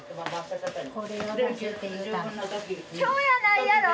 今日やないやろ？